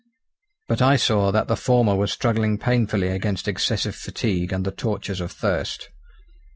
But I saw that the former was struggling painfully against excessive fatigue and the tortures of thirst.